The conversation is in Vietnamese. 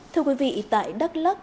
thưa quý vị tại đắk lắk